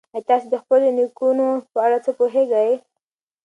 ایا تاسي د خپلو نیکونو په اړه څه پوهېږئ؟